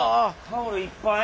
タオルいっぱい。